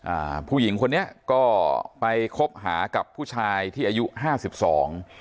อ่าผู้หญิงคนนี้ก็ไปคบหากับผู้ชายที่อายุห้าสิบสอง